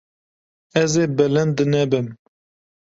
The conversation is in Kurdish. Ez ê bilind nebim.